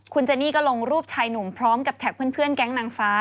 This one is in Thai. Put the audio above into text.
คุณเจนี่ก็ลงรูปชายหนุ่มพร้อมกับแท็กเพื่อนแก๊งนางฟ้า